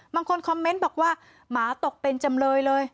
บางคนคอมเมนต์บอกว่าหมาตกเป็นจำเลยเลย